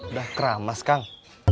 udah keramas kang